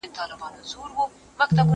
زه اجازه لرم چي مينه وښيم،